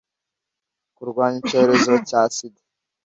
kurwanya icyorezo cya sida